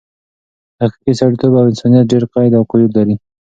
حقیقي سړیتوب او انسانیت ډېر قید او قیود لري.